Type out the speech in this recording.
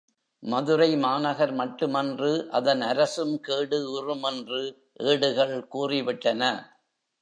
மதுரை மாநகர் மட்டுமன்று அதன் அரசும் கேடு உறும் என்று ஏடுகள் கூறி விட்டன.